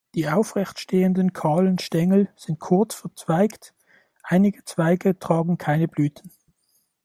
Die aufrecht stehenden, kahlen Stängel sind kurz verzweigt, einige Zweige tragen keine Blüten.